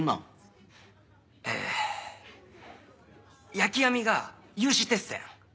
焼き網が有刺鉄線。